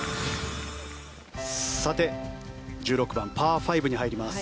さて１６番、パー５に入ります。